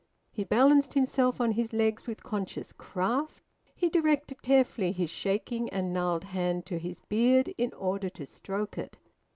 He balanced himself on his legs with conscious craft; he directed carefully his shaking and gnarled hand to his beard in order to stroke it.